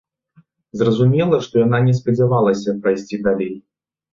Зразумела, што яна не спадзявалася прайсці далей.